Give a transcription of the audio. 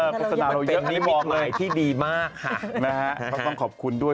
โฆษณาเราเริ่มเยอะกันเลยบ้างเลย